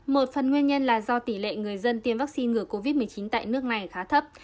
một phần nguyên nhân là do tỷ lệ người dân tiêm vaccine ngừa covid một mươi chín tại nước này khá thấp